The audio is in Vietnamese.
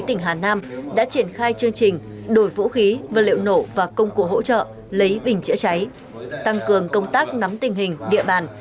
tỉnh hà nam đã triển khai chương trình đổi vũ khí vật liệu nổ và công cụ hỗ trợ lấy bình chữa cháy tăng cường công tác nắm tình hình địa bàn